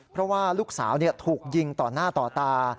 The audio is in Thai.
เพราะว่าลูกสาวถูกยิงต่อหน้าต่อตา